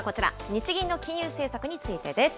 日銀の金融政策についてです。